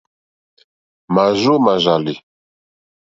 Màrzô màrzàlì.